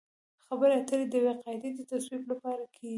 خبرې اترې د یوې قاعدې د تصویب لپاره کیږي